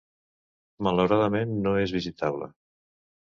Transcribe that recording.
Malauradament, no és visitable.